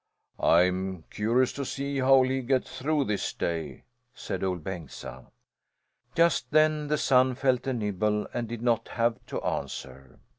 "I'm curious to see how he'll get through this day," said Ol' Bengtsa. Just then the son felt a nibble, and did not have to answer.